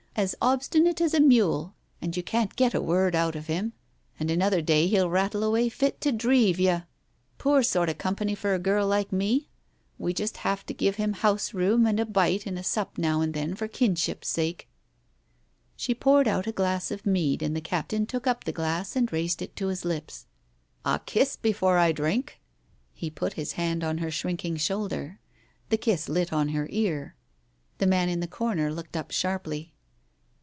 As obstinate as a mule, and you can't get a word out of him ; and another day he'll rattle away fit to deave you. Poor sort of company for a girl like me ! We just have to give him house room and a bite and a sup now and then for kinship's sake." She poured out a glass of mead and the captain took up the glass and raised it to his lips. "A kiss before I drink!" Digitized by Google 174 TALES OF THE UNEASY He put his hand on her shrinking shoulder. The kiss lit on her ear. The man in the corner looked up sharply.